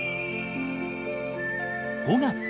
５月。